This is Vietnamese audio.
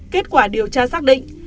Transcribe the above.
kết quả điều tra xác định